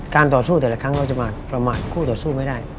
ต่อสู้แต่ละครั้งเราจะมาประมาทคู่ต่อสู้ไม่ได้